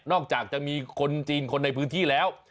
อกจากจะมีคนจีนคนในพื้นที่แล้ว